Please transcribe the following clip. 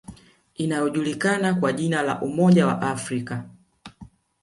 Inayojulikana kwa jina la Umoja wa Afrika